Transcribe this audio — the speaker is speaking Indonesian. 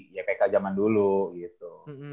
ypk zaman dulu gitu